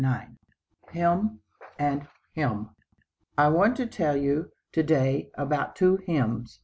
"_ HIM AND HYMN I want to tell you to day about two "Hims."